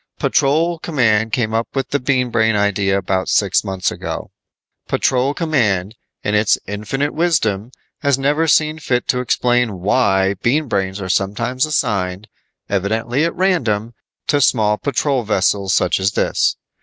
"Patrol Command came up with the Bean Brain idea about six months ago. Patrol Command, in its infinite wisdom, has never seen fit to explain why Bean Brains are sometimes assigned, evidently at random, to small patrol vessels such as this.